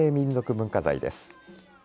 文化財です。